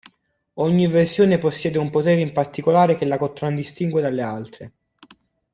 Ogni versione possiede un potere in particolare che la contraddistingue dalle altre.